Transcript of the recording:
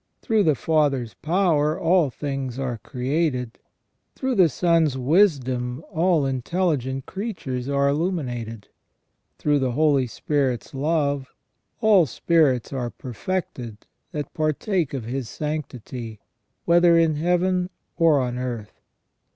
Through the Father's power all things are created ; through the Son's wisdom all intelligent creatures are illuminated : through the Holy Spirit's love all spirits are perfected that partake of His sanctity, whether in Heaven or on earth.